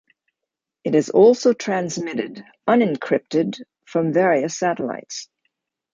It is also transmitted unencrypted from various satellites.